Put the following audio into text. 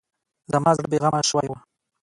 زما زړه بې غمه شوی و.